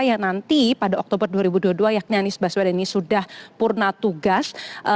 yang nanti pada oktober dua ribu dua puluh dua yakni anies baswedan ini sudah purna tugas